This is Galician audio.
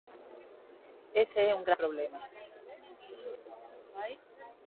Ese é un gran problema.